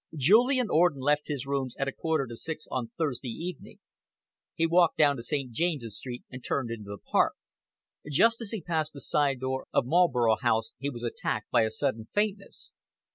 Julian Orden left his rooms at a quarter to six on Thursday evening. He walked down to St. James's Street and turned into the Park. Just as he passed the side door of Marlborough House he was attacked by a sudden faintness."